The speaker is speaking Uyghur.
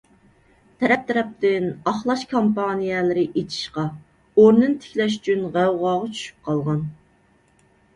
تەرەپ - تەرەپتىن ئاقلاش كامپانىيەلىرى ئېچىشقا، ئورنىنى تىكلەش ئۈچۈن غەۋغاغا چۈشۈپ قالغان.